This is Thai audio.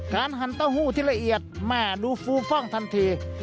หั่นเต้าหู้ที่ละเอียดแม่ดูฟูฟ่องทันที